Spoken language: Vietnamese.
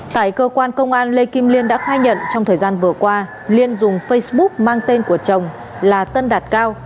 tại cơ quan công an lê kim liên đã khai nhận trong thời gian vừa qua liên dùng facebook mang tên của chồng là tân đạt cao